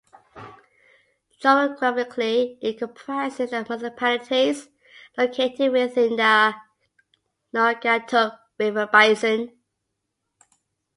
Geographically, it comprises the municipalities located within the Naugatuck River basin.